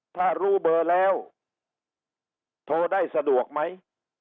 ถ้ารู้เบอร์แล้วโทรได้สะดวกไหม